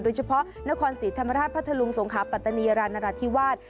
โดยเฉพาะนครศรีธรรมราชพัทธลุงสงขาปัตตานีรานราธิวาส